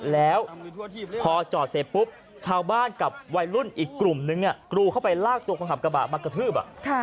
แล้วพอจอดเสร็จปุ๊บชาวบ้านกับวัยรุ่นอีกกลุ่มนึงกรูเข้าไปลากตัวคนขับกระบะมากระทืบ